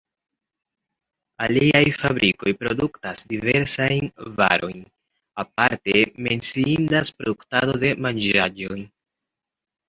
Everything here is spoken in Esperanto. Aliaj fabrikoj produktas diversajn varojn, aparte menciindas produktado de manĝaĵoj.